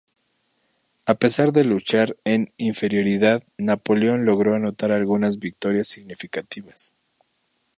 A pesar de luchar en inferioridad, Napoleón logró anotar algunas victorias significativas.